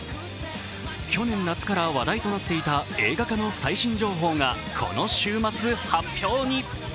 去年の夏から話題となっていた映画化の最新情報がこの週末発表に。